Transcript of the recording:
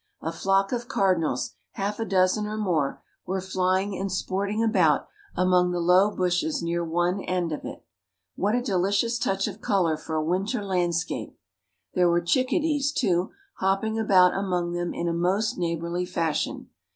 A flock of cardinals, half a dozen or more, were flying and sporting about among the low bushes near one end of it. What a delicious touch of color for a winter landscape! There were chickadees, too, hopping about among them in a most neighborly fashion.